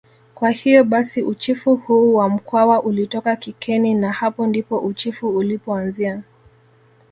Kwa hiyo basi uchifu huu wa mkwawa ulitoka kikeni na hapo ndipo uchifu ulipoanzia